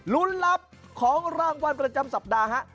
ลุ้นลับของรางวัลประจำสัปดาหะ